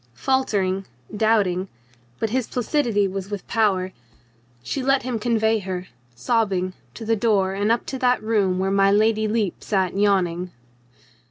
Faltering, doubting — but his placidity was with 20 COLONEL GREATHEART power — she let him convey her, sobbing, to the door and up to that room where my Lady Lepe sat yawning.